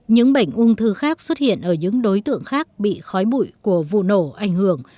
những bệnh ung thư khác xuất hiện ở những đối tượng khác bị khói bụi của vụ nổ ảnh hưởng